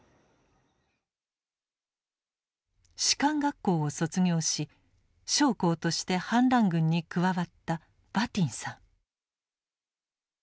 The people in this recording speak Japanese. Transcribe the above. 士官学校を卒業し将校として反乱軍に加わったバティンさん。